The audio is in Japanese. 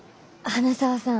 花澤さん。